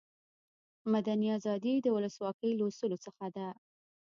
مدني آزادي د ولسواکي له اصولو څخه ده.